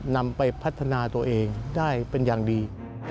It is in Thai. นำไปพัฒนาตัวเองได้เป็นอย่างดี